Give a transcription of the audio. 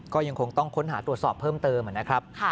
ก็ยังคงต้องค้นหาตรวจสอบเพิ่มเติมนะครับ